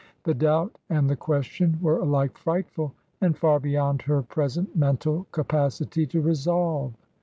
The doubt and the question were alike frightful and far beyond her present mental capacity to resolve.